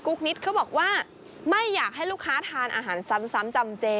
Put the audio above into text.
นิดเขาบอกว่าไม่อยากให้ลูกค้าทานอาหารซ้ำจำเจ